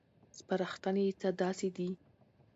سپارښتنې یې څه داسې دي: